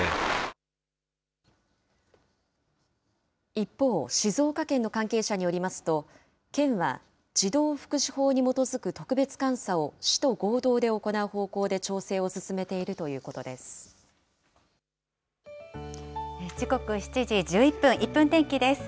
一方、静岡県の関係者によりますと、県は児童福祉法に基づく特別監査を市と合同で行う方向で調整を進時刻７時１１分、１分天気です。